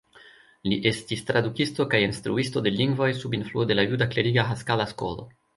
Li estis tradukisto kaj instruisto de lingvoj, sub influo de la juda kleriga Haskala-skolo.